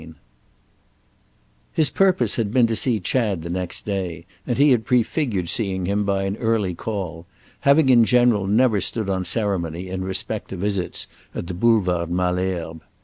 III His purpose had been to see Chad the next day, and he had prefigured seeing him by an early call; having in general never stood on ceremony in respect to visits at the Boulevard Malesherbes.